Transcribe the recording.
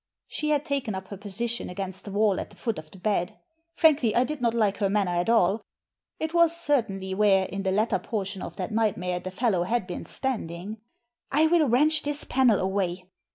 She had taken up her position against the wall at the foot of the bed Frankly, I did not like her manner at all. It was certainly where, in the latter portion of that night mare, the fellow had been standing. " I will wrench this panel away."